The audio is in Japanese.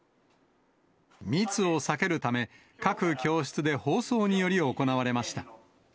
密を避けるため、各教室で放送により行われました。